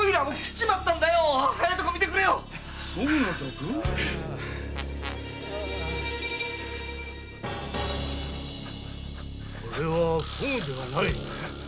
これはフグではないな。